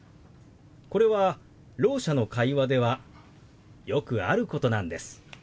これはろう者の会話ではよくあることなんです。